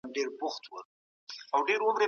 د هيواد نوم بدلول یو خطا ایستونکی خوب دی؛ یوه